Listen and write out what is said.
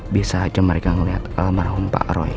bisa aja mereka ngeliat almarhum pak roy